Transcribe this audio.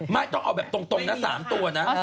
ไม่ต้องเอาแบบตรงนะ๓ตัวนะ